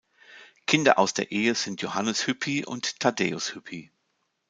Kinder aus der Ehe sind Johannes Hüppi und Thaddäus Hüppi.